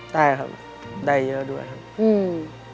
ได้ครับได้เยอะด้วยครับอืม